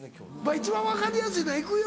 一番分かりやすいのはいくよ・